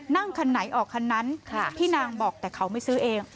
นั่งคันไหนออกคันนั้นพี่นางบอกแต่เขาไม่ซื้อเอง